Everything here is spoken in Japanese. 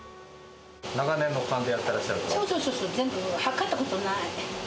長年の勘でやってらっしゃるそうそうそう、全然、量ったことない。